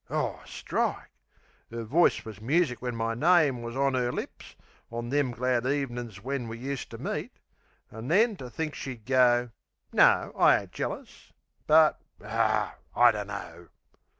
Ar strike! 'Er voice wus music when my name Wus on 'er lips on them glad ev'nin's when We useter meet. An' then to think she'd go... No, I ain't jealous but Ar, I dunno!